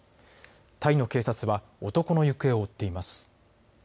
タイの警察は男の行方を追っています。